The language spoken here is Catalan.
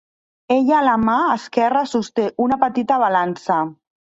Ella a la mà esquerra sosté una petita balança.